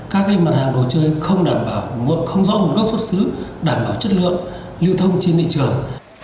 các mặt hàng đồ chơi không rõ nguồn gốc xuất xứ đảm bảo chất lượng lưu thông trên thị trường